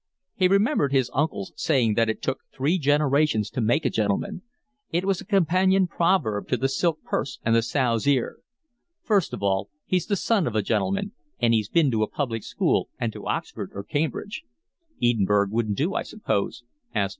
He remembered his uncle's saying that it took three generations to make a gentleman: it was a companion proverb to the silk purse and the sow's ear. "First of all he's the son of a gentleman, and he's been to a public school, and to Oxford or Cambridge." "Edinburgh wouldn't do, I suppose?" asked Weeks.